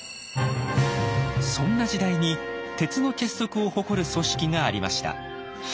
そんな時代に鉄の結束を誇る組織がありました。